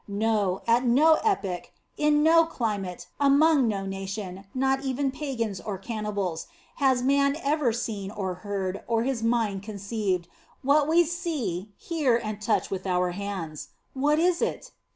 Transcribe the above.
No ; at no epoch, in no climate, among no nation, not even pagans or cannibals, has man ever seen or heard, or his mind con ceived, what we see, hear, and touch with our hands. What is it?